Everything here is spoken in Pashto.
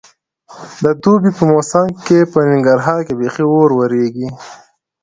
د دوبي په موسم کې په ننګرهار کې بیخي اور ورېږي.